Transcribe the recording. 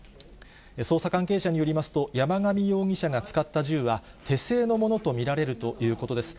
捜査関係者によりますと、山上容疑者が使った銃は、手製のものと見られるということです。